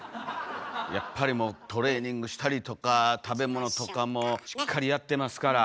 やっぱりトレーニングしたりとか食べ物とかもしっかりやってますから。